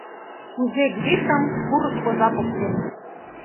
КУЗЕ ГРИШЫМ КУРЫК ОЗА ПОКТЕН